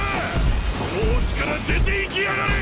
この星から出ていきやがれ！